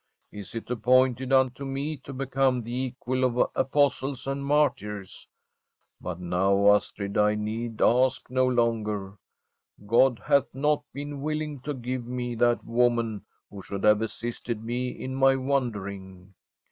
Is it appointed unto me to become the equal of apostles and martyrs? But now, Astrid, I need ask no longer ; God hath not been willing to give me that woman who should have assisted me in my wandering.